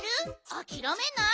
あきらめない？